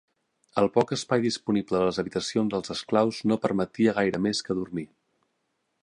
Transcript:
El poc espai disponible a les habitacions dels esclaus no permetia gaire més que dormir.